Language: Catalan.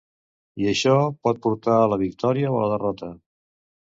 I això pot portar a la victòria o a la derrota.